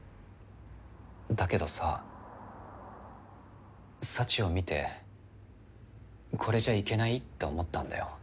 だけどさサチを見てこれじゃいけないって思ったんだよ。